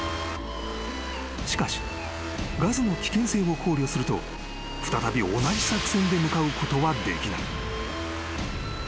［しかしガスの危険性を考慮すると再び同じ作戦で向かうことはできない］